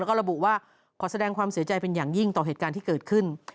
แล้วก็ระบุว่าขอแสดงความเสียใจเป็นอย่างยิ่งต่อเหตุการณ์ที่เกิดขึ้น